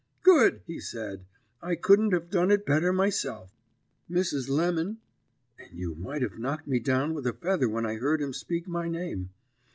"'Good,' he said. 'I couldn't have done it better myself. Mrs. Lemon ' and you might have knocked me down with a feather when I heard him speak my name.